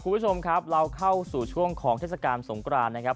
คุณผู้ชมครับเราเข้าสู่ช่วงของเทศกาลสงกรานนะครับ